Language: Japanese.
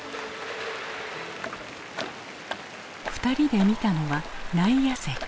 ２人で見たのは内野席。